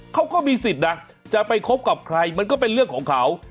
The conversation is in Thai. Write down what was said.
เขาก็มีสิทธิ์นะจะไปคบกับใครมันก็เป็นเรื่องของเขา